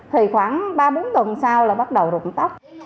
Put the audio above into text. thì khoảng ba bốn tuần sau là bắt đầu rụng tóc